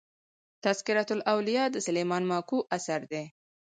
"تذکرةالاولیا" د سلیمان ماکو اثر دﺉ.